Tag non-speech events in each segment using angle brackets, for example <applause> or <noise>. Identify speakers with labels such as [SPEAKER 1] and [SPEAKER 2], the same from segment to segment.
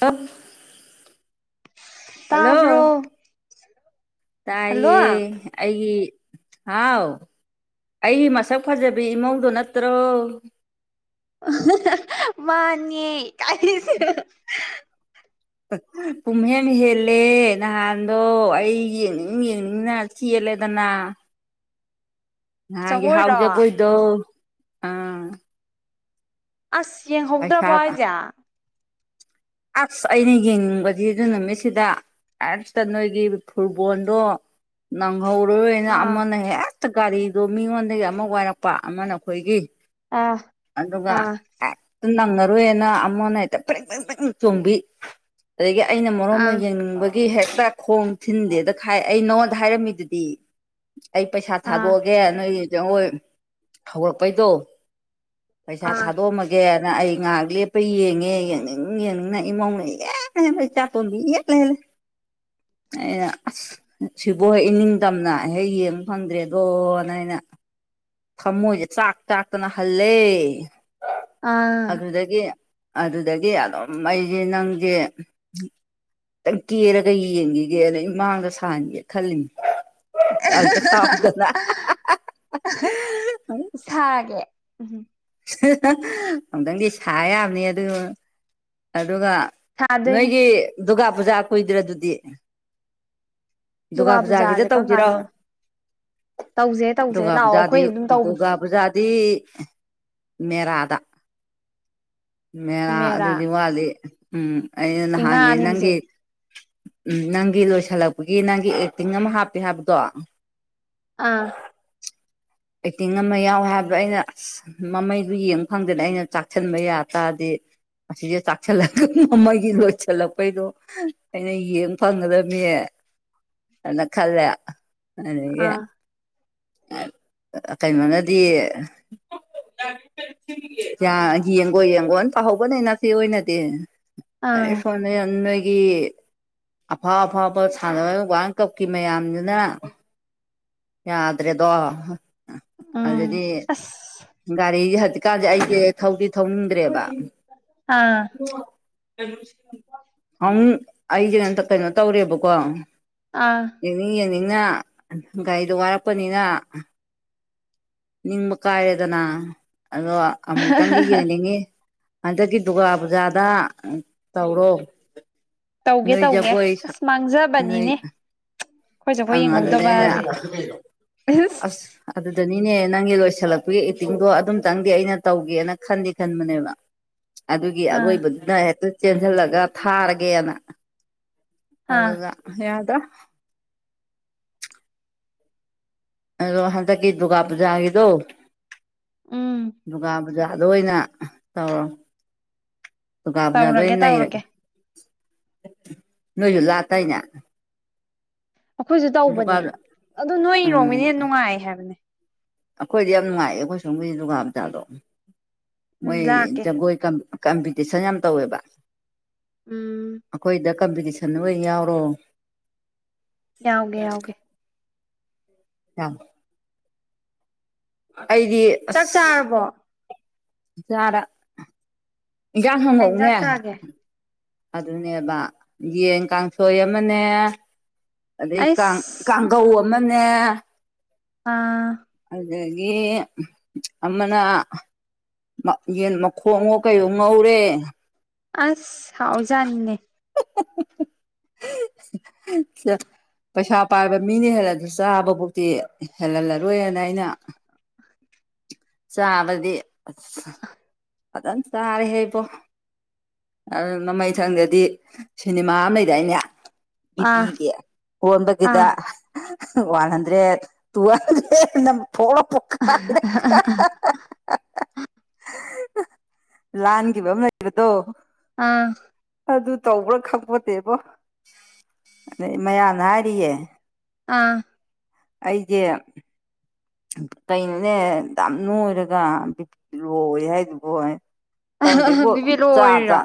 [SPEAKER 1] ꯇꯠ ꯍꯜꯂꯣ
[SPEAKER 2] ꯇꯥꯕ꯭ꯔꯣ
[SPEAKER 1] ꯇꯥꯏꯌꯦ
[SPEAKER 2] ꯍꯜꯂꯣ
[SPEAKER 1] ꯑꯩꯒꯤ ꯍꯥꯎ ꯑꯩꯒꯤ ꯃꯁꯛ ꯐꯖꯕꯤ ꯏꯃꯧꯗꯣ ꯅꯠꯇ꯭ꯔꯣ
[SPEAKER 2] ꯃꯥꯟꯅꯦ ꯏꯀꯥꯏꯁꯨꯁꯤꯔꯦ
[SPEAKER 1] ꯄꯨꯝꯍꯦꯟ ꯍꯦꯜꯂꯦ ꯅꯍꯥꯟꯗꯣ ꯑꯩ ꯌꯦꯡꯅꯤꯡ ꯌꯦꯡꯅꯤꯡꯅ ꯆꯦꯜ ꯂꯦꯗꯅ ꯅꯍꯥꯟꯒꯤ ꯍꯥꯎ
[SPEAKER 2] ꯖꯒꯣꯏꯔꯣ
[SPEAKER 1] ꯖꯒꯣꯏꯗꯣ ꯑ
[SPEAKER 2] ꯑꯁ ꯌꯦꯡꯍꯧꯗ꯭ꯔꯕꯣ ꯍꯥꯏꯖꯦ
[SPEAKER 1] ꯑꯁ ꯑꯩꯅ ꯌꯦꯡꯅꯤꯡꯕꯗꯤ ꯑꯗꯨ ꯅꯨꯃꯤꯠꯁꯤꯗ ꯑꯁꯇ ꯅꯣꯏꯒꯤ ꯐꯨꯠꯕꯣꯜꯗꯣ ꯅꯪ ꯍꯧꯔꯔꯣꯏꯅ
[SPEAKER 2] ꯑꯥ
[SPEAKER 1] ꯑꯃꯅ ꯍꯦꯛꯇ ꯒꯥꯔꯤꯗꯣ ꯃꯤꯉꯣꯟꯗꯒꯤ ꯑꯃꯛ ꯋꯥꯏꯔꯛꯄ ꯑꯃꯅ ꯑꯩꯈꯣꯏꯒꯤ ꯑꯗꯨꯒ
[SPEAKER 2] ꯑꯥ
[SPEAKER 1] ꯍꯦꯛꯇꯥ ꯅꯪꯅ ꯔꯣꯏꯅ ꯑꯃꯅ ꯍꯦꯛꯇ ꯐꯔꯦꯡ ꯐꯔꯤꯡ ꯐꯔꯤꯡ ꯆꯣꯡꯕꯤ ꯑꯗꯒꯤ ꯑꯩꯅ ꯃꯔꯣꯟꯃ
[SPEAKER 2] ꯑꯥ
[SPEAKER 1] ꯌꯦꯡꯅꯤꯡꯕꯒꯤ ꯒꯤ ꯍꯦꯛꯇ ꯈꯣꯡ ꯊꯤꯟꯗꯦꯗ ꯈꯥꯏ ꯑꯩ ꯅꯉꯣꯟꯗ ꯍꯥꯏꯔꯝꯃꯤꯗꯨꯗꯤ ꯑꯩ ꯄꯩꯁꯥ
[SPEAKER 2] ꯑꯥ
[SPEAKER 1] ꯊꯥꯗꯣꯛꯑꯒꯦ ꯅꯣꯏꯒꯤ ꯖꯒꯣꯏ ꯍꯧꯔꯛꯄꯩꯗꯣ ꯄꯩꯁꯥ
[SPEAKER 2] ꯑꯥ
[SPEAKER 1] ꯊꯥꯗꯣꯛꯑꯝꯃꯒꯦꯅ ꯑꯩ ꯉꯥꯏꯍꯥꯛ ꯂꯦꯞꯄ ꯌꯦꯡꯉꯦ ꯌꯦꯡꯅꯤꯡꯌꯦꯡ ꯅ ꯏꯃꯧꯅ ꯏꯍꯦꯟ ꯍꯦꯟꯂ ꯏꯆꯥꯇꯣꯝꯕꯤ ꯏꯍꯦꯜ ꯍꯦꯜꯂꯤ ꯑꯩꯅ ꯑꯁ ꯁꯤꯕꯣ ꯍꯦꯛ ꯏꯅꯤꯡꯇꯝꯅ ꯍꯦꯛ ꯌꯦꯡꯕ ꯐꯪꯗ꯭ꯔꯦꯗꯣꯅ ꯑꯩꯅ <unintelligible> ꯊꯃꯣꯏꯖꯦ ꯆꯥꯛ ꯇꯥꯛꯇꯅ ꯍꯜꯂꯦ
[SPEAKER 2] ꯑꯥ
[SPEAKER 1] ꯑꯗꯨꯗꯒꯤ ꯑꯗꯨꯗꯒꯤ ꯑꯗꯨꯝ ꯑꯩꯖꯦ ꯅꯪꯖꯦ ꯈꯤꯇꯪ ꯀꯦꯔꯒ ꯌꯦꯡꯒꯤꯒꯦꯅ ꯏꯃꯥꯡꯗ ꯁꯥꯍꯟꯒꯦ ꯈꯜꯂꯤꯅꯤ ꯑꯝꯇꯥ ꯁꯥꯎꯗꯅ
[SPEAKER 2] ꯁꯥꯒꯦ ꯎꯝ
[SPEAKER 1] ꯑꯃꯨꯛꯇꯪꯗꯤ ꯁꯥ ꯌꯥꯕꯅꯤ ꯑꯗꯨ ꯑꯗꯨꯒ
[SPEAKER 2] ꯁꯥꯗꯣꯏꯅꯦ
[SPEAKER 1] ꯅꯣꯏꯒꯤ ꯗꯨꯔꯒꯥ ꯄꯨꯖꯥ ꯀꯨꯏꯗ꯭ꯔ ꯗꯨꯗꯤ ꯗꯨꯔꯒꯥ ꯄꯨꯖꯥꯒꯤꯗ
[SPEAKER 2] ꯄꯨꯖꯥꯁꯦ ꯀꯔꯝ
[SPEAKER 1] ꯇꯧꯖꯤꯔꯣ
[SPEAKER 2] ꯀꯥꯟꯗꯅꯣ ꯇꯧꯁꯦ ꯇꯧꯁꯦ
[SPEAKER 1] ꯗꯨꯒꯥ
[SPEAKER 2] ꯂꯥꯛꯑꯣ
[SPEAKER 1] ꯄꯨꯖꯗꯤ
[SPEAKER 2] ꯑꯩꯈꯣꯏ ꯑꯗꯨꯝ ꯇꯧꯕꯅꯦ
[SPEAKER 1] ꯗꯨꯒꯕꯨꯖꯥꯗꯤ ꯃꯦꯔꯥ ꯗ ꯃꯦꯔꯥ ꯑꯗꯨꯗꯤ ꯋꯥꯠꯂꯤ ꯎꯝ ꯑꯩꯅ ꯅꯍꯥꯟꯒꯤ
[SPEAKER 2] ꯏꯉꯥꯅꯤ
[SPEAKER 1] ꯅꯪꯒꯤ
[SPEAKER 2] ꯍꯧꯖꯤꯛ
[SPEAKER 1] ꯎꯝ ꯅꯪꯒꯤ ꯂꯣꯏꯁꯤꯜꯂꯛ ꯒꯤ ꯅꯪꯒꯤ ꯑꯦꯛꯇꯤꯡ ꯑꯃ ꯍꯥꯞꯄꯤ ꯍꯥꯏꯕꯗꯣ
[SPEAKER 2] ꯑꯥ
[SPEAKER 1] ꯄꯦꯛꯇꯤꯡ ꯑꯃ ꯌꯥꯎꯦ ꯍꯥꯏꯕꯗꯣ ꯑꯩꯅ ꯑꯁ ꯃꯃꯩꯗꯨ ꯌꯦꯡꯕ ꯐꯪꯗꯅ ꯑꯩꯅ ꯆꯥꯛꯁꯟꯕ ꯌꯥ ꯇꯥꯔꯗꯤ ꯑꯁꯤꯖꯦ ꯆꯥꯛꯁꯤꯜꯂꯒ ꯃꯃꯩꯒꯤ ꯂꯣꯏꯁꯜꯂꯛꯄꯩꯗꯣ ꯑꯩꯅ ꯌꯦꯡ ꯐꯪꯒꯗꯕꯅꯤ ꯑꯅ ꯈꯜꯂꯦ ꯑꯗꯒꯤ
[SPEAKER 2] ꯑꯥ
[SPEAKER 1] ꯑ ꯀꯩꯅꯣꯅꯗꯤ ꯌꯥ ꯌꯦꯡꯉꯣ ꯌꯦꯡꯉꯣꯅ ꯇꯥꯍꯧꯕꯅꯦ ꯅ ꯁꯤꯦ ꯑꯣꯏꯅꯗꯤ
[SPEAKER 2] ꯑꯥ
[SPEAKER 1] ꯑꯦ ꯐꯣꯟꯅꯦ ꯑꯟꯅ ꯒꯤ ꯑꯐꯥꯎ ꯑꯐꯥꯎꯕ ꯁꯥꯟꯅꯔꯣꯏ ꯋꯥꯔꯜ ꯀꯞꯀꯤ ꯃꯌꯥꯝꯗꯨꯅ ꯌꯥꯗ꯭ꯔꯦꯗꯣ
[SPEAKER 2] ꯎꯝ
[SPEAKER 1] ꯑꯗꯨꯗꯤ
[SPEAKER 2] ꯑꯁ
[SPEAKER 1] ꯒꯥꯔꯤ ꯍꯧꯖꯤꯀꯥꯟꯗꯦ ꯑꯩꯁꯦ ꯊꯧꯗꯤ ꯊꯧꯅꯤꯡꯗ꯭ꯔꯦꯕ
[SPEAKER 2] ꯑꯥ
[SPEAKER 1] ꯑꯃ ꯑꯩꯁꯦ ꯍꯟꯇ ꯀꯩꯅꯣ ꯇꯧꯔꯦꯕꯀꯣ
[SPEAKER 2] ꯑꯥ
[SPEAKER 1] ꯌꯦꯡꯅꯤꯡ ꯌꯦꯡꯅꯤꯡꯅ ꯒꯥꯔꯤꯗꯣ ꯋꯥꯔꯛꯄꯅꯤꯅ ꯅꯤꯡꯝꯕ ꯀꯥꯥꯏꯦꯗꯅꯥ ꯑꯗꯣ ꯑꯃꯨꯛꯇꯪꯗꯤ ꯌꯦꯡꯅꯤꯡꯉꯤ ꯍꯟꯗꯛꯀꯤ ꯗꯨꯔꯒꯥ ꯄꯨꯖꯥꯗ ꯇꯧꯔꯣ
[SPEAKER 2] ꯇꯧꯒꯦ ꯇꯧꯒꯦ
[SPEAKER 1] ꯅꯣꯏꯖꯕꯣꯏ
[SPEAKER 2] ꯑꯁ
[SPEAKER 1] ꯅꯣꯏ
[SPEAKER 2] ꯃꯥꯡꯖꯕꯅꯤꯅꯦ ꯑꯩꯈꯣꯏ
[SPEAKER 1] ꯑ
[SPEAKER 2] ꯖꯒꯣꯏ ꯌꯦꯡꯍꯧꯗꯕꯁꯦ
[SPEAKER 1] ꯑ ꯑꯗꯨꯅꯤꯅꯦ ꯅꯪꯒꯤ ꯂꯣꯏꯁꯤꯜꯂꯛꯄꯒꯤ ꯑꯦꯛꯇꯤꯡꯗꯣ ꯑꯗꯨꯝꯇꯪꯗꯤ ꯑꯩꯅ ꯇꯧꯒꯦꯅ ꯈꯟꯗꯤ ꯈꯟꯕꯅꯦꯕ ꯑꯗꯨꯒꯤ
[SPEAKER 2] ꯑꯥ
[SPEAKER 1] ꯑꯔꯣꯏꯕꯗꯨꯅ ꯍꯦꯛꯇ ꯆꯦꯟꯁꯤꯜꯂꯒ ꯊꯥꯔꯒꯦꯅ
[SPEAKER 2] ꯑꯥ
[SPEAKER 1] ꯑꯗꯨꯒ ꯌꯥꯗ ꯑꯗꯣ ꯍꯟꯗꯛꯀꯤ ꯗꯨꯒꯥ ꯄꯨꯖꯥꯒꯤꯗꯣ
[SPEAKER 2] ꯎꯝ
[SPEAKER 1] ꯗꯨꯒꯥ ꯄꯨꯖꯥꯗ ꯑꯣꯏꯅ ꯇꯧꯔꯣ ꯗꯨꯀꯥꯟ ꯄꯨꯖꯥꯗ
[SPEAKER 2] ꯇꯧꯔꯒꯦ
[SPEAKER 1] ꯑꯣꯏꯅ ꯅꯩꯔꯒꯦ
[SPEAKER 2] ꯇꯧꯔꯒꯦ
[SPEAKER 1] ꯅꯣꯏ ꯂꯥꯛ ꯇꯥꯏꯅ
[SPEAKER 2] ꯑꯩꯈꯣꯏꯁꯨ ꯇꯧꯕꯅꯦ ꯑꯗꯨ ꯅꯣꯏ
[SPEAKER 1] ꯎꯝ
[SPEAKER 2] ꯏꯔꯣꯡꯃꯤꯅ ꯍꯦꯟꯅ ꯅꯨꯡꯉꯥꯏ ꯍꯥꯏꯕꯅꯦ
[SPEAKER 1] ꯑꯩꯈꯣꯏꯗꯤ ꯌꯥꯝ ꯅꯨꯡꯉꯥꯏ ꯑꯩꯈꯣꯏ ꯁꯣꯝꯒꯤ ꯗꯨꯒꯥ ꯃꯖꯆꯥꯗꯣ
[SPEAKER 2] ꯎꯝ
[SPEAKER 1] ꯃꯣꯏ
[SPEAKER 2] ꯂꯥꯛꯀꯦ
[SPEAKER 1] ꯖꯒꯣꯏ ꯀꯝꯄꯤꯇꯤꯁꯟ ꯌꯥꯝ ꯇꯧꯋꯦꯕ
[SPEAKER 2] ꯎꯝ
[SPEAKER 1] ꯑꯩꯈꯣꯏꯗ ꯀꯝꯄꯤꯇꯤꯁꯟ ꯑꯣꯏ ꯌꯥꯎꯔꯣ
[SPEAKER 2] ꯌꯥꯎꯒꯦ ꯌꯥꯎꯒꯦ
[SPEAKER 1] ꯑ ꯑꯩꯗꯤ
[SPEAKER 2] ꯆꯥꯛ
[SPEAKER 1] ꯑꯁ
[SPEAKER 2] ꯆꯥꯔꯕꯣ ꯀꯩ ꯏꯟꯖꯥꯡ
[SPEAKER 1] ꯆꯔꯥꯖꯍꯪꯧꯅꯦ
[SPEAKER 2] ꯆꯥꯒꯦ
[SPEAKER 1] ꯑꯗꯨꯅꯦꯕ ꯌꯦꯟ ꯀꯥꯡꯁꯣꯏ ꯑꯃꯅꯦ ꯑꯗꯩ ꯀꯥꯡ
[SPEAKER 2] ꯑꯩꯁ
[SPEAKER 1] ꯀꯥꯡꯈꯧ ꯑꯃꯅꯦ
[SPEAKER 2] ꯑꯥ
[SPEAKER 1] ꯑꯗꯒꯤ ꯑꯃꯅ ꯌꯦꯟ ꯃꯈꯣꯡꯉꯣ ꯀꯩ ꯉꯧꯔꯦ
[SPEAKER 2] ꯑꯁ ꯍꯥꯎꯖꯥꯟꯅꯦ
[SPEAKER 1] <inaudible> ꯑꯆꯥ ꯄꯩꯁꯥ ꯄꯥꯏꯕ ꯃꯤꯅ ꯍꯦꯜꯂꯗꯁꯨ ꯆꯥꯕꯕꯨꯧꯗꯤꯤ ꯍꯦꯜꯍꯜꯂꯔꯣꯏꯅ ꯑꯩꯅ ꯆꯥꯕꯗꯤ ꯑꯝ ꯆꯥꯔꯦꯍꯦ ꯏꯕꯣ ꯑꯗꯨ ꯃꯃꯩꯊꯪꯗꯗꯤ ꯁꯤꯅꯦꯃꯥ ꯑꯃ ꯂꯩꯗꯥꯏꯅꯦ
[SPEAKER 2] ꯑꯥ
[SPEAKER 1] ꯕꯤꯄꯤꯒꯤ
[SPEAKER 2] ꯑꯥ
[SPEAKER 1] ꯍꯣꯟꯕꯒꯤꯗ ꯋꯥꯟꯟꯗ꯭ꯔꯦ ꯇꯨꯦ ꯅ ꯊꯣꯂ ꯄꯈꯥꯗ
[SPEAKER 2] <unintelligible>
[SPEAKER 1] ꯂꯥꯟꯈꯤꯕ ꯑꯃ ꯂꯩꯕꯗꯣ
[SPEAKER 2] ꯑꯥ
[SPEAKER 1] ꯑꯗꯨ ꯇꯧꯕ꯭ꯔꯥ ꯈꯛꯄꯠꯇꯦꯕꯣ ꯑꯗꯩ ꯃꯌꯥꯝꯅ ꯍꯥꯏꯔꯤꯌꯦ
[SPEAKER 2] ꯑꯥ
[SPEAKER 1] ꯑꯩꯗꯦ ꯀꯩꯅꯣꯅꯦ ꯌꯥꯝꯝ ꯅꯣꯏꯔꯒꯤꯤ ꯂꯣꯏ ꯍꯥꯏꯗꯨꯕ ꯀꯪꯗ
[SPEAKER 2] ꯕꯤꯕꯦꯂꯣ
[SPEAKER 1] ꯆꯥ ꯆ
[SPEAKER 2] ꯑꯣꯏꯔꯤꯔꯣ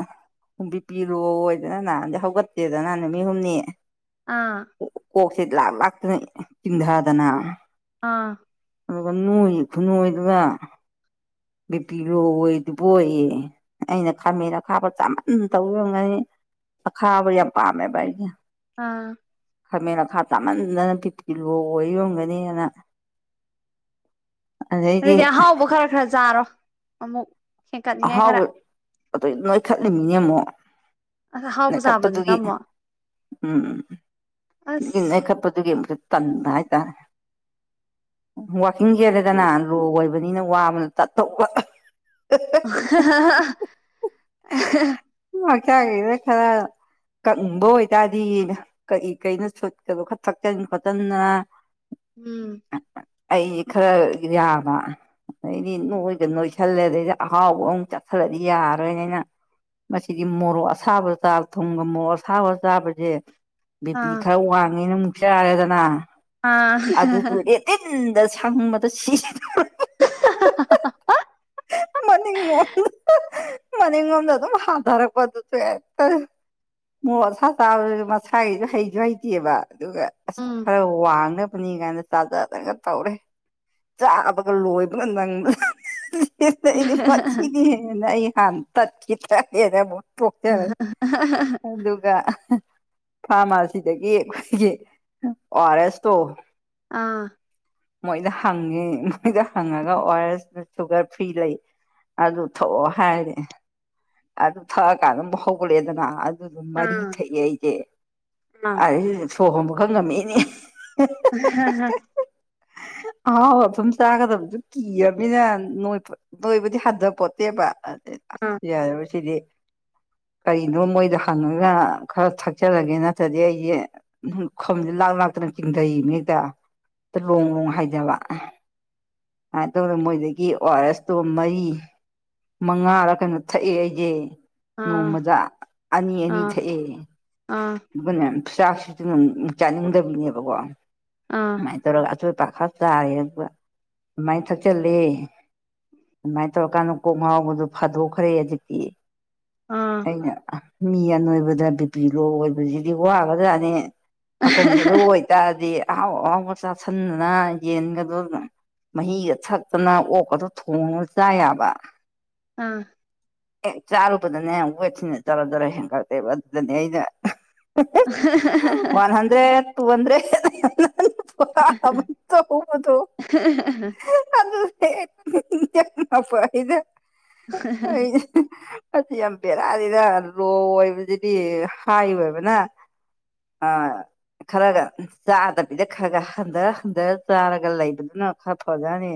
[SPEAKER 1] ꯈꯨꯝꯕꯤ ꯄꯤꯔꯣꯑꯣꯗꯅ ꯅꯍꯥꯟꯗꯤ ꯍꯧꯒꯠꯇꯦꯗꯅꯍ ꯅꯨꯃꯤꯠ ꯍꯨꯝꯅꯤ
[SPEAKER 2] ꯑꯥ
[SPEAKER 1] ꯀꯣꯛꯁꯤꯦ ꯂꯥꯛ ꯂꯥꯛꯇꯅ ꯆꯤꯡꯊꯗꯅ
[SPEAKER 2] ꯑꯥ
[SPEAKER 1] ꯑꯗꯨꯒ ꯅꯣꯏ ꯈꯨꯅꯣꯏꯗꯨꯒ ꯕꯤ ꯄꯤ ꯂꯣ ꯑꯣꯏꯗꯨ ꯄꯣꯛ ꯑꯩꯅ ꯈꯥꯃꯦꯟ ꯈꯥꯞꯕ ꯆꯥꯃꯟ ꯇꯧꯔꯝꯒꯅꯤ ꯑ ꯈꯥꯕ ꯌꯥꯝ ꯄꯥꯝꯃꯦꯕ ꯑꯩꯗꯤ
[SPEAKER 2] ꯑꯥ
[SPEAKER 1] ꯈꯥꯃꯦꯟ ꯃꯈꯥ ꯇꯥꯃꯟꯗꯅ ꯕꯤ ꯄꯔ ꯂꯣ ꯑꯣꯏꯔꯝꯒꯅꯤꯅ ꯑꯗꯩꯗꯤ
[SPEAKER 2] ꯑꯗꯨꯗꯤ ꯑꯍꯥꯎꯕ ꯈꯔ ꯈꯔ ꯆꯥꯔꯣ ꯑꯃꯨꯛ ꯍꯦꯟꯀꯠꯅꯤꯡꯉꯥꯏ ꯈꯔ
[SPEAKER 1] ꯑꯍꯥꯎꯕ ꯑꯗꯨ ꯅꯣꯏ ꯈꯠꯂꯤꯃꯤꯅꯦ ꯑꯃꯛ
[SPEAKER 2] ꯑꯁ ꯑꯍꯥꯎꯕ
[SPEAKER 1] ꯅꯣꯏꯈꯠ
[SPEAKER 2] ꯆꯥꯕꯗꯨꯅ
[SPEAKER 1] ꯇꯗꯨꯒꯤ
[SPEAKER 2] ꯑꯃꯨꯛ
[SPEAKER 1] ꯎꯝ ꯑꯗꯨꯒꯤ
[SPEAKER 2] ꯑꯁ
[SPEAKER 1] ꯅꯦꯢ ꯈꯠꯄꯗꯨꯒꯤ ꯑꯃꯨꯛꯁꯨ ꯇꯟꯕ ꯍꯥꯏꯇꯥꯔꯦ ꯋꯥꯀꯤꯡ ꯆꯦꯜꯂꯦꯗꯅ ꯂꯣ ꯑꯣꯏꯕꯅꯤꯅ ꯋꯥꯕꯅ ꯇꯠ ꯇꯣꯛꯄ
[SPEAKER 2] <unintelligible>
[SPEAKER 1] ꯀꯦꯒꯤꯕꯩ ꯈꯔ ꯀꯪꯕ ꯑꯣꯏꯇꯥꯔꯗꯤ ꯀꯩ ꯀꯩꯅꯣ ꯁꯨꯝꯀꯗꯣ ꯈꯔ ꯊꯛꯆꯟ ꯈꯣꯠꯗꯅ
[SPEAKER 2] ꯎꯝ
[SPEAKER 1] ꯑꯩꯁ ꯈꯔ ꯌꯥꯕ ꯑꯗꯩꯗꯤ ꯅꯣꯏꯒ ꯅꯣꯏꯁꯜꯂꯦ ꯑꯗꯩꯗ ꯆꯥꯛꯍꯥꯎꯕ ꯑꯃꯨꯛ ꯆꯠꯊꯔꯗꯤ ꯌꯥꯔꯣꯏꯅꯦ ꯑꯩꯅ ꯃꯁꯤꯗꯤ ꯃꯣꯔꯣꯛ ꯑꯁꯥꯕ ꯆꯥꯕ ꯊꯨꯝꯒ ꯃꯣꯔꯣꯛ ꯑꯁꯥꯕ ꯆꯥꯕꯁꯦ ꯕꯤ ꯄꯤ
[SPEAKER 2] ꯑꯥ
[SPEAKER 1] ꯈꯔ ꯋꯥꯡꯉꯦꯅ ꯃꯨꯛ ꯆꯔꯦꯗꯅ
[SPEAKER 2] ꯑꯥ
[SPEAKER 1] ꯁꯟꯕꯗ ꯁꯤꯗꯣꯔꯦ
[SPEAKER 2] <unintelligible>
[SPEAKER 1] ꯃꯅꯤꯡ ꯂꯣꯝꯗ ꯃꯅꯤꯡꯂꯣꯝꯗ ꯑꯗꯨꯝ ꯍꯥꯊꯔꯛꯄꯗꯨꯁꯨ ꯍꯦꯛꯇ ꯃꯣꯔꯛ ꯑꯁꯥ ꯆꯥꯕꯗꯨꯁꯨ ꯃꯁꯥꯒꯤꯁꯨ ꯍꯩꯁꯨ ꯍꯩꯇꯦꯕ ꯑꯗꯨꯒ ꯑꯁ
[SPEAKER 2] ꯎꯝ
[SPEAKER 1] ꯈꯔ ꯋꯥꯡꯅ ꯅꯕꯅꯤ ꯀꯥꯏꯗ ꯆꯥꯖꯗꯒ ꯇꯧꯔꯦ ꯆꯥꯕꯒ ꯂꯣꯏꯕꯒ ꯅꯪꯕꯖꯥꯠ ꯅꯠꯇꯦ ꯃꯥꯁꯤꯗꯤ ꯑꯩ ꯍꯥꯟ ꯇꯠꯈꯤ ꯇꯦꯔꯦꯅ ꯑꯃꯨꯛ ꯇꯣꯛꯆꯔꯦ ꯑꯗꯨꯒ ꯐꯥꯔꯃꯥꯁꯤꯗꯒꯤ ꯑꯩꯈꯣꯏꯒꯤ ꯑꯣ ꯑꯥꯔ ꯑꯦꯁꯇꯣ
[SPEAKER 2] ꯑꯥ
[SPEAKER 1] ꯃꯣꯏꯗ ꯍꯪꯉꯦ ꯃꯣꯏꯗ ꯍꯪꯉꯒ ꯑꯣ ꯑꯦꯔ ꯑꯦꯁ ꯁꯨꯒꯔ ꯐ꯭ꯔꯤ ꯂꯩ ꯑꯗꯨ ꯊꯛꯑꯣ ꯍꯥꯏꯔꯦ ꯑꯗꯨ ꯊꯛꯑꯀꯥꯟ ꯑꯗꯨꯝ ꯍꯧꯒꯠꯂꯦꯗꯅ ꯑꯗꯨꯗꯨꯝ
[SPEAKER 2] ꯑꯥ ꯑꯥ ꯑꯥ ꯑꯥ
[SPEAKER 1] ꯃꯔꯤ ꯊꯛꯑꯦ ꯑꯩꯁꯦ ꯑꯗꯩ ꯁꯣ ꯍꯣꯟꯕ ꯈꯔ ꯉꯝꯃꯛ ꯑꯦꯅꯦ ꯑꯩꯁꯦ
[SPEAKER 2] <unintelligible>
[SPEAKER 1] ꯑꯍꯥꯎꯕ ꯃꯇꯨꯝ ꯆꯥꯒꯗꯕꯗꯨ ꯀꯤꯔꯕꯅꯤꯅ ꯅꯣꯏ ꯅꯣꯏꯕꯗꯤ ꯍꯟꯊꯄꯣꯠꯇꯦꯕ ꯑꯗꯩꯗ ꯌꯥꯔꯥꯔꯣꯢ ꯁꯤꯗꯤ ꯀꯔꯤꯅꯣ ꯃꯣꯏꯗ ꯍꯪꯉꯒ ꯈꯔ ꯊꯛꯆꯔꯒꯦ ꯅꯠꯇ꯭ꯔꯗꯤ ꯑꯩꯁꯦ ꯂꯨꯈꯝꯁꯦ ꯂꯥꯛ ꯥꯛ ꯉꯥꯛꯇꯅ ꯆꯤꯡꯊꯩꯅꯤꯗ ꯂꯣꯡ ꯂꯣꯡ ꯍꯥꯏꯗꯕ ꯑꯗꯨꯃꯥꯏ ꯇꯧꯗꯥꯅ ꯃꯣꯏꯗꯒꯤ ꯑꯣꯔ ꯑꯥ ꯔꯦꯁ ꯇꯣ ꯇꯣ ꯃꯔꯤ ꯃꯉꯥꯔ ꯀꯩꯅꯣ ꯊꯛꯑꯦ ꯑꯩꯁꯦ ꯅꯣꯡꯃꯗ ꯑꯅꯤ ꯑꯅꯤ
[SPEAKER 2] ꯑꯥ
[SPEAKER 1] ꯊꯛꯑꯦ ꯑꯗꯨꯒꯅꯦ ꯆꯥꯛꯁꯤꯗꯤꯅꯦ ꯑꯃꯨꯛ ꯆꯥꯅꯤꯡꯗꯕꯅꯦꯕꯀꯣ
[SPEAKER 2] ꯑꯥ ꯑꯥ ꯑꯥ
[SPEAKER 1] ꯑꯗꯨꯃꯥꯏꯅ ꯇꯧꯔꯒ ꯑꯆꯣꯏ ꯄ ꯄꯥ ꯈꯥ ꯆꯥꯔꯦ ꯑꯗꯨꯒ ꯑꯗꯨꯃꯥꯏꯅ ꯊꯛꯆꯜꯂꯦ ꯑꯗꯨꯃꯥꯏꯅ ꯇꯧꯔꯀꯥꯟꯗ ꯀꯣꯛ ꯉꯥꯎꯕꯗꯨ ꯐꯥꯗꯣꯛꯈ꯭ꯔꯦ ꯍꯧꯖꯤꯛꯇꯤ ꯑꯩꯅ ꯃꯤ ꯑꯅꯣꯏꯕꯗ ꯕꯤꯄꯤ ꯂꯣ ꯑꯣꯏꯕꯁꯤꯗꯤ ꯋꯥꯒ꯭ꯔꯥ ꯖꯥꯠꯅꯦ ꯑꯀꯪꯕꯗꯣ ꯑꯣꯏꯇꯥꯔꯗꯤ ꯑꯍꯥꯎ ꯑꯍꯥꯎꯕ ꯆꯥꯥꯁꯟꯗꯅ ꯌꯦꯟꯒꯗꯣ ꯑꯗꯨꯝ ꯃꯍꯤꯒ ꯊꯛꯇꯅ ꯑꯣꯛꯀꯗꯣ ꯊꯣꯡꯉꯒ ꯆꯥ ꯌꯥꯕ
[SPEAKER 2] ꯑꯥ
[SPEAKER 1] ꯍꯦꯛ ꯆꯥꯔꯨꯕꯗꯅꯦ ꯋꯦꯠꯁꯤꯅ ꯖꯔ ꯖꯔ ꯍꯦꯟꯒꯠꯂꯛꯇꯦꯕ ꯑꯗꯨꯗꯅꯦ ꯑꯩꯅ ꯋꯥꯟ ꯍꯟꯗ꯭ꯔꯦꯠ ꯇꯨ ꯍꯟꯗ꯭ꯔꯦꯠ ꯇꯧꯕꯗꯣ ꯑꯗꯨꯗꯨꯒꯤ ꯅꯄꯗ ꯑꯩ ꯑꯁꯤ ꯌꯥꯝ ꯕꯦꯔꯥꯗꯤꯔ ꯂꯣ ꯑꯣꯏꯕꯁꯤꯗꯤ ꯍꯥꯏ ꯑꯣꯏꯕꯅ ꯑ ꯈꯔꯒ ꯆꯥꯗꯕꯤꯗ ꯈꯔ ꯈ ꯍꯟꯊꯔ ꯍꯟꯊꯔ ꯆꯥꯔꯒ ꯂꯩꯕꯗꯨꯅ ꯈꯔ ꯐꯖꯅꯤ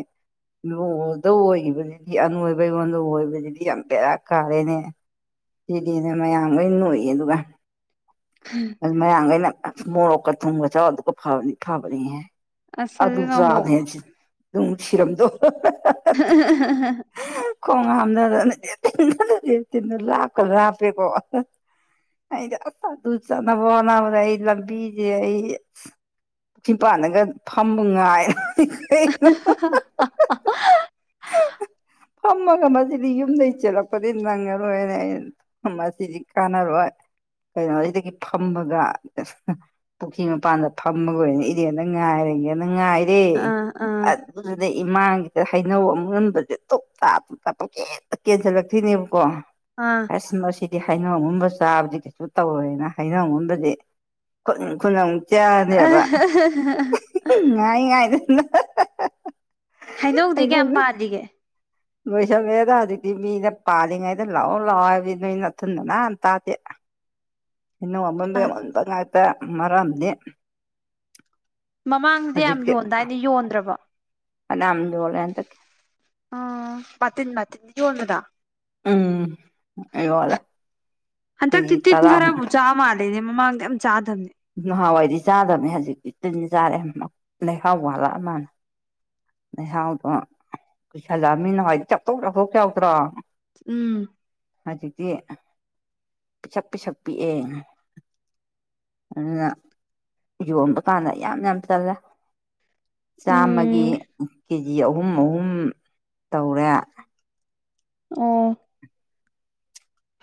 [SPEAKER 1] ꯂꯗ ꯑꯣꯏꯈꯤꯕꯗꯨꯗꯤ ꯑꯅꯣꯏꯕ ꯑꯩꯉꯣꯟꯗ ꯑꯣꯏꯕꯕꯁꯤꯗꯤ ꯌꯥꯝ ꯕꯦꯔꯥ ꯀꯥꯔꯦꯅꯦ ꯁꯤꯗꯤꯅꯦ ꯃꯌꯥꯝ ꯂꯣꯏ ꯂꯣꯛꯏ ꯑꯗꯨꯒ ꯑꯗꯨ ꯃꯌꯥꯈꯩꯅ ꯃꯣꯔꯣꯛꯀ ꯊꯨꯝꯒ ꯆ ꯑꯗꯨꯒꯀ ꯐꯕꯅꯤ ꯐꯥꯕꯅꯤꯍꯦ
[SPEAKER 2] ꯑꯁ
[SPEAKER 1] ꯑꯗꯨ ꯑꯗꯨ
[SPEAKER 2] ꯑꯗꯨꯅ ꯑꯃꯨꯛ
[SPEAKER 1] ꯆꯗꯦꯖꯤ ꯑꯗꯨꯝ ꯁꯤꯔꯝꯗꯣ ꯈꯣꯡ ꯍꯥꯝꯗ ꯟꯅ ꯂꯥꯞꯀ ꯂꯥꯞꯄꯦꯀꯣ ꯑꯩꯗ ꯑꯗꯨ ꯆꯕꯣꯅ꯭ꯔ ꯑꯩ ꯂ ꯕꯤꯖ ꯑꯩ ꯆꯤꯄꯥꯟꯅꯒ ꯐꯝꯕ ꯉꯥꯏ
[SPEAKER 2] <inaudible>
[SPEAKER 1] ꯐꯝꯃꯒ ꯃꯁꯤꯗꯤ ꯌꯨꯝꯗꯒꯤꯩ ꯆꯦꯜꯂꯛꯄꯗꯤ ꯅꯪꯉꯔꯣꯏꯅ ꯑ ꯃꯁꯤꯗꯤ ꯀꯥꯟꯅꯔꯣꯏ ꯀꯩꯅꯣ ꯁꯤꯗꯒꯤ ꯐꯝꯃꯒ ꯄꯨꯈ꯭ꯔꯤ ꯃꯄꯥꯟꯗ ꯐꯝꯃꯒꯔꯅꯤ ꯏꯗꯦꯟꯗ ꯉꯥꯏꯔꯒꯦꯅ ꯉꯥꯏꯔꯦ
[SPEAKER 2] ꯑꯥ ꯑꯥ
[SPEAKER 1] ꯑꯗꯨꯗꯨꯗ ꯏꯃꯥꯒꯤ ꯍꯩꯅꯧ ꯑꯃꯨꯛ ꯉꯟꯕꯁꯦ ꯇꯞ ꯇꯥꯞ ꯇꯞ ꯇ ꯄꯛꯀꯦꯛꯇ ꯀꯦꯟꯁꯤꯜꯂꯛꯇꯣꯏꯅꯦꯕꯀꯣ
[SPEAKER 2] ꯑꯥ
[SPEAKER 1] ꯑꯁ ꯃꯁꯤꯗꯤ ꯍꯥꯏꯅꯣꯒꯨꯝꯕ ꯆꯥꯕꯗꯨꯗꯤ ꯁꯨ ꯇꯧꯔꯣꯏꯅ ꯍꯥꯏꯩꯅꯒꯝꯕꯗꯤ ꯈꯨ ꯆꯅꯦꯕ ꯉꯥꯏ ꯉꯥꯏꯗꯅ
[SPEAKER 2] ꯍꯩꯅꯧꯗꯤ ꯀꯌꯥꯝ ꯄꯥꯔꯤꯒꯦ
[SPEAKER 1] ꯂꯣꯏꯁꯧꯃꯦꯗ ꯍꯧꯖꯤꯛꯇꯤ ꯃꯤꯗ ꯄꯥꯜꯂꯤꯉꯩꯗ ꯂꯥꯛꯑꯣ ꯂꯥꯛꯑꯣ ꯍꯥꯏꯕꯗꯤ ꯅꯣꯏ ꯅꯅꯥꯊꯤꯟꯗꯅ ꯑꯟꯇꯥꯗꯦ ꯏꯅ ꯃꯃꯟ
[SPEAKER 2] ꯑꯁ
[SPEAKER 1] ꯃꯟ ꯇꯒ ꯍꯥꯏꯥꯏꯇ ꯃꯔꯝꯅꯤ
[SPEAKER 2] ꯃꯃꯥꯡꯁꯤꯗꯤ ꯌꯥꯝ ꯌꯣꯟꯗꯥꯏꯅ ꯌꯣꯟꯗ꯭ꯔꯕ
[SPEAKER 1] ꯐꯅꯌꯥꯝ ꯌꯣꯜꯂꯦ ꯍꯟꯗꯛꯀꯤ
[SPEAKER 2] ꯎꯝ ꯃꯊꯅꯤ ꯃꯥꯊꯅꯤ ꯌꯣꯟꯟꯅꯗꯥ
[SPEAKER 1] ꯎꯝ ꯌꯣꯜꯂꯦ
[SPEAKER 2] ꯑ ꯇ
[SPEAKER 1] ꯀꯦꯖꯤ
[SPEAKER 2] ꯇꯇꯤꯟ
[SPEAKER 1] ꯇꯔꯥꯃꯨꯛ
[SPEAKER 2] ꯈꯔꯖꯥꯝ ꯃꯥꯅꯦ ꯃꯃ ꯆꯥ ꯆꯥꯗꯕꯅꯦ
[SPEAKER 1] ꯅꯍꯥꯟꯋꯥꯏꯗꯤ ꯆꯥꯗꯕꯅꯦ ꯍꯧꯖꯤꯛꯇꯤ ꯇꯨꯤꯟ ꯆꯥꯔꯦ ꯂꯩꯍꯥꯎ ꯋꯥꯂꯛ ꯃꯥꯅ ꯉꯍꯥꯎꯗꯣ ꯀꯨꯏꯁꯜꯂꯛꯑꯃꯤꯅ ꯍꯥꯏꯗꯤ ꯆꯥꯛꯊꯣꯛ ꯆꯥꯛꯊꯣꯛ ꯆꯥꯎꯎꯗ꯭ꯔꯣ
[SPEAKER 2] ꯎꯝ
[SPEAKER 1] ꯍꯧꯖꯤꯛꯇ ꯄꯤꯁꯛ ꯄꯤꯁꯛ ꯄꯤꯛꯑꯦ ꯑꯗꯨꯅ ꯌꯣꯟꯕ ꯀꯥꯟꯗ ꯌꯥꯝꯅ ꯐ ꯇꯜꯂꯦ ꯆꯥꯝꯃꯒꯤ
[SPEAKER 2] ꯎꯝ
[SPEAKER 1] ꯀꯦꯖꯤ ꯑꯍꯨꯝ ꯑꯍꯨꯝ ꯇꯧꯔꯦ
[SPEAKER 2] ꯎꯝ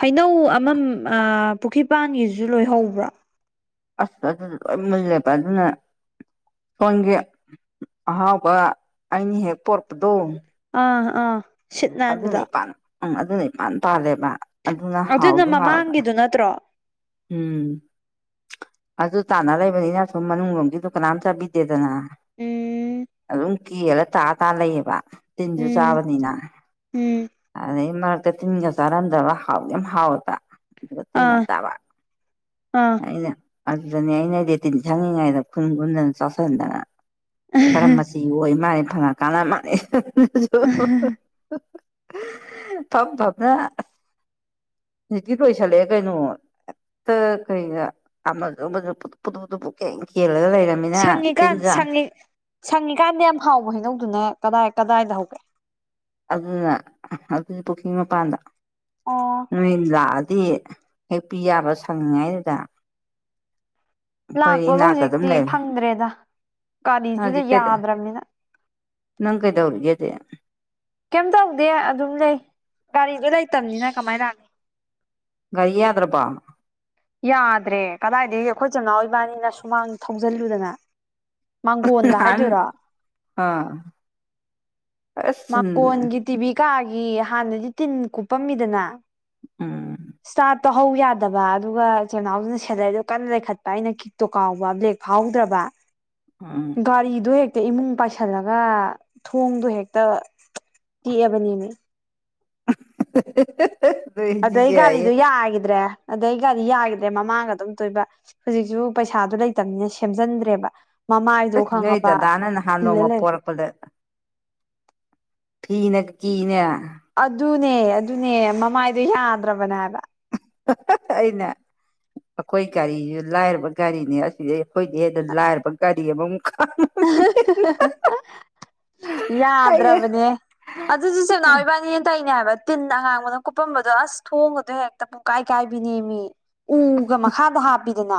[SPEAKER 2] ꯍꯩꯅꯧ ꯑꯃꯝ ꯄꯨꯈ꯭ꯔꯤꯄꯥꯟꯒꯤꯁꯨ ꯂꯣꯏꯍꯧꯕ꯭ꯔꯥ
[SPEAKER 1] ꯑꯁ ꯃ ꯑꯗꯨꯅ ꯍꯣꯟꯒꯦ ꯑꯍꯥꯎꯕ ꯑꯩꯅ ꯍꯦꯛ ꯄꯣꯔꯛꯄꯗꯣ
[SPEAKER 2] ꯑꯥ ꯑꯥ ꯁꯤꯠ
[SPEAKER 1] ꯑꯗꯨꯅꯦ
[SPEAKER 2] ꯅꯥꯟꯕꯗꯣ
[SPEAKER 1] ꯏꯄꯥꯥꯟ ꯎꯝ ꯑꯗꯨꯅ ꯏꯄꯥꯟ ꯄꯥꯜꯂꯦꯕ ꯑꯗꯨꯅ ꯍꯥꯎꯗꯣ ꯍꯥꯎꯕ
[SPEAKER 2] ꯃꯃꯥꯡꯒꯤꯗꯨ ꯅꯠꯇ꯭ꯔꯣ
[SPEAKER 1] ꯎꯝ ꯑꯗꯨ ꯇꯥꯟꯅ ꯂꯩꯕꯅꯤꯅ ꯁꯨꯝ ꯃꯅꯨꯡꯂꯣꯝꯒꯤꯗꯨ ꯀꯅꯥꯝ ꯆꯥꯕꯤꯗꯦꯗꯅ
[SPEAKER 2] ꯎꯝ
[SPEAKER 1] ꯑꯗꯨꯝ ꯀꯦꯂ ꯇꯥꯇꯥꯥ ꯂꯩꯌꯦꯕ ꯇꯤꯟꯁꯨ
[SPEAKER 2] ꯎꯝ
[SPEAKER 1] ꯆꯥꯕꯅꯤꯅ
[SPEAKER 2] ꯎꯝ
[SPEAKER 1] ꯑꯗꯩ ꯃꯔꯛꯇ ꯇꯤꯟꯒ ꯆꯥꯔꯝꯗꯕ ꯍꯥꯎ ꯌꯥꯝ ꯍꯥꯎꯋꯗ ꯑꯗꯨꯒ ꯇꯤꯟ ꯌꯥꯝ
[SPEAKER 2] ꯑꯥ
[SPEAKER 1] ꯆꯥꯕ
[SPEAKER 2] ꯑꯥ
[SPEAKER 1] ꯑꯩꯅ ꯑꯗꯨꯅꯤ ꯑꯩꯅꯗꯤꯇꯤꯟ ꯁꯪꯅꯤꯡꯉꯥꯏꯗ ꯈꯨꯟ ꯈꯨꯟꯗꯅ ꯆꯠꯁꯤꯟꯗꯅ ꯀꯔꯝ ꯃ ꯑꯣꯏ ꯃꯥꯅꯤ ꯐꯅ ꯀꯥꯟꯅ ꯃꯥꯂ ꯐꯞ ꯐꯞꯅ ꯖꯤꯇꯤ ꯀꯣꯏꯁꯜꯂꯛꯑꯦ ꯀꯩꯅꯣ ꯀꯩꯒ ꯄꯨ ꯄꯨꯗꯨ ꯄꯨꯗꯨ ꯄꯨ ꯀꯦ
[SPEAKER 2] ꯁꯪꯉꯤꯀꯥꯟꯪꯉ ꯁꯪꯉꯤꯀꯥꯟꯗ ꯌꯥꯝ ꯍꯥꯎꯕ ꯍꯩꯅꯧꯗꯨꯅ ꯀꯗꯥꯏ ꯀꯗꯥꯏꯗ ꯍꯧꯒꯦ
[SPEAKER 1] ꯑꯗꯨꯅ ꯑꯗꯨꯗꯤ ꯄꯨꯈ꯭ꯔꯤ ꯃꯄꯥꯟꯗ
[SPEAKER 2] ꯑꯣ
[SPEAKER 1] ꯗꯤ ꯍꯦꯛꯄꯤ ꯌꯥꯕ ꯁꯪꯉꯤꯉꯥꯏꯗꯨꯗ
[SPEAKER 2] ꯂꯥꯛꯄꯒ ꯍꯧꯖꯤꯛꯇꯤ ꯐꯪꯗ꯭ꯔꯦꯗ ꯒꯥꯔꯤꯁꯨꯗ
[SPEAKER 1] ꯍꯧꯖꯤꯛ ꯀꯩꯗ
[SPEAKER 2] ꯌꯥꯗ꯭ꯔꯕꯅꯤꯅ
[SPEAKER 1] ꯅꯪ ꯀꯩꯗꯧꯔꯒꯦꯗꯦ
[SPEAKER 2] ꯀꯩꯝ ꯇꯧꯗꯦ ꯑꯗꯨꯝ ꯂꯩ ꯒꯥꯔꯤꯗꯣ ꯂꯩꯇꯕꯅꯤꯅ ꯀꯃꯥꯏꯅ ꯂꯥꯛꯅꯤ
[SPEAKER 1] ꯀꯔꯤꯌꯥꯗ꯭ꯔꯄꯥ
[SPEAKER 2] ꯌꯥꯗ꯭ꯔꯦ ꯀꯗꯥꯏꯗꯒꯤ ꯑꯩꯈꯣꯏꯆꯝꯃꯅꯥꯎ ꯑꯣꯏꯕꯥꯅꯤꯅ ꯁꯨꯃꯥꯡ ꯊꯧꯖꯤꯜꯂꯨꯗꯅ ꯃꯥꯡꯒꯣꯟꯗ
[SPEAKER 1] ꯅꯍꯥꯟ
[SPEAKER 2] ꯍꯥꯏꯗꯣꯏꯔꯥ
[SPEAKER 1] ꯑꯥ ꯑꯁ
[SPEAKER 2] ꯃꯀꯣꯟꯒꯤ ꯇꯤꯚꯤ ꯀꯥꯒꯤ ꯍꯥꯟꯅꯗꯤ ꯇꯤꯟ ꯀꯨꯞꯄꯝꯃꯤꯗꯅ
[SPEAKER 1] ꯎꯝ
[SPEAKER 2] ꯏꯁꯇꯥꯔꯠ ꯇꯧꯍꯧ ꯌꯥꯗꯕ ꯑꯗꯨꯒ ꯏꯤꯜꯅꯥꯎꯗꯨꯅ ꯁꯦꯂꯔꯤꯗ ꯀꯟꯅ ꯂꯩꯈꯠꯄ ꯑꯩꯅ ꯇꯣ ꯀꯥꯎꯕ꯭ꯂ ꯐꯥꯎꯗ꯭ꯔꯕ
[SPEAKER 1] ꯎꯝ
[SPEAKER 2] ꯒꯥꯔꯤꯗ ꯍ ꯍꯦꯛꯇ ꯏꯃꯨꯡ ꯄꯥꯏꯁꯜꯂꯒ ꯊꯣꯡꯗꯣ ꯍꯦꯛꯇ ꯇꯦꯛꯑꯕꯅꯦꯅꯦ
[SPEAKER 1] <inaudible>
[SPEAKER 2] ꯑꯗ
[SPEAKER 1] ꯅꯣꯏꯗꯤ
[SPEAKER 2] ꯑꯩ
[SPEAKER 1] ꯌꯥꯏꯌꯦ
[SPEAKER 2] ꯒꯥꯔꯤꯗꯨ ꯌꯥꯒꯗ꯭ꯔꯦ ꯑꯗꯩ ꯒꯥꯗꯤ ꯌꯥꯈꯤꯗ꯭ꯔꯦ ꯃꯃꯥꯡꯒ ꯑꯗꯨꯝ ꯇꯣꯏꯕ ꯍꯧꯖꯤꯛꯁꯨ ꯄꯩꯁꯥꯗꯨ ꯂꯩꯇꯕꯅꯤꯅ ꯁꯦꯝꯖꯤꯟꯗ꯭ꯔꯦꯕ ꯃꯃꯥ ꯍꯥꯏꯗꯣ
[SPEAKER 1] ꯑꯁ ꯅꯣꯏ
[SPEAKER 2] ꯈꯪꯉꯕ
[SPEAKER 1] ꯗꯗꯥꯅ ꯅꯍꯥꯟ
[SPEAKER 2] ꯏꯜꯂ
[SPEAKER 1] ꯅꯣꯡꯃ
[SPEAKER 2] ꯂꯩꯦ
[SPEAKER 1] ꯐꯤꯅꯦ ꯀꯅꯦꯌꯥ
[SPEAKER 2] ꯑꯗꯨꯅꯦ ꯑꯗꯨꯅꯦ ꯃꯃꯥꯏꯗꯣ ꯌꯥꯗ꯭ꯔꯕꯅꯦ ꯍꯥꯏꯕ
[SPEAKER 1] ꯇꯥꯏꯅ ꯑꯩꯈꯣꯏ ꯒꯥꯔꯤꯁꯨ ꯂꯥꯏꯔꯕ ꯒꯥꯔꯤꯅꯦ ꯑꯁꯤꯗꯩ ꯍꯣꯏꯗꯦꯗ ꯂꯥꯏꯔꯕ ꯒꯥꯔꯤ ꯑꯃꯃꯨꯛ ꯈꯥꯝ
[SPEAKER 2] <unintelligible>
[SPEAKER 1] ꯑꯩꯅ
[SPEAKER 2] ꯌꯥꯗ꯭ꯔꯕꯅꯦ ꯑꯗꯨꯁꯨ ꯁꯦꯅꯥꯎ ꯑꯣꯏꯕꯥꯅꯤꯅ ꯇꯅꯦ ꯍꯥꯏꯕ ꯇꯤꯟ ꯑꯉꯥꯡꯕꯅ ꯀꯨꯞꯄꯝꯕꯗꯣ ꯑꯁ ꯊꯣꯡꯉꯗꯣ ꯍꯦꯛꯇ ꯄꯨꯡꯀꯥꯏ ꯀꯥꯏꯕꯤꯅꯦꯃꯤ ꯎꯒ ꯃꯈꯥꯗ ꯍꯥꯞꯄꯤꯗꯅ